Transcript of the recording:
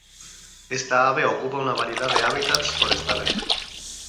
Esta ave ocupa una variedad de hábitats forestales.